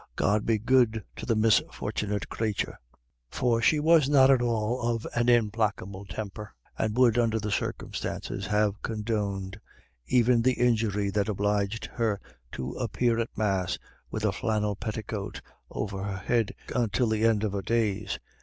God be good to the misfort'nit crathur." For she was not at all of an implacable temper, and would, under the circumstances, have condoned even the injury that obliged her to appear at Mass with a flannel petticoat over her head until the end of her days.